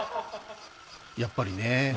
やっぱりねえ。